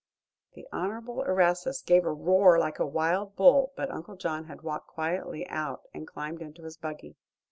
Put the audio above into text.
The Honorable Erastus gave a roar like a wild bull, but Uncle John had walked quietly out and climbed into his buggy.